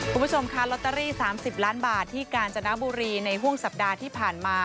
คุณผู้ชมค่ะลอตเตอรี่๓๐ล้านบาทที่กาญจนบุรีในห่วงสัปดาห์ที่ผ่านมา